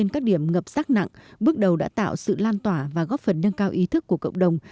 các điểm ngập rác nặng bước đầu đã tạo sự lan tỏa và góp phần nâng cao ý thức của cộng đồng